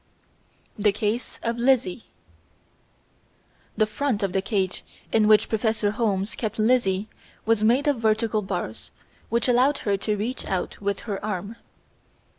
The Case of Lizzie The front of the cage in which Professor Holmes kept Lizzie was made of vertical bars which allowed her to reach out with her arm.